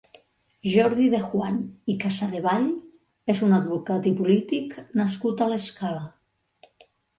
Jordi de Juan i Casadevall és un advocat i polític nascut a l'Escala.